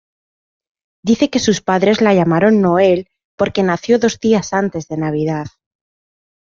Dice que sus padres la llamaron Noël porque nació dos días antes de navidad.